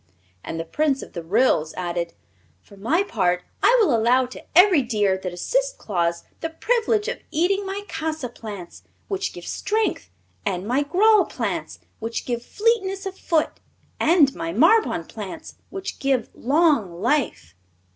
And the Prince of the Ryls added: "For my part I will allow to every deer that assists Claus the privilege of eating my casa plants, which give strength, and my grawle plants, which give fleetness of foot, and my marbon plants, which give long life."